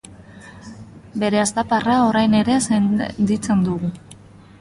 Bere aztaparra orain ere senditzen dugu.